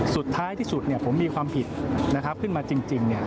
สุดท้ายที่สุดผมมีความผิดขึ้นมาจริง